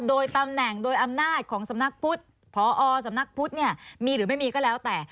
โดยตำแหน่งโดยอำนาจของสำนักพุทธพอสำนักพุทธเนี่ยมีหรือไม่มีก็แล้วแต่